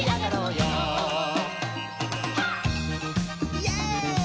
イエイ！